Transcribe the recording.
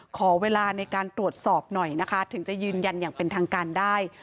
ขอเวลาในการตรวจสอบหน่อยนะคะถึงจะยืนยันอย่างเป็นทางการได้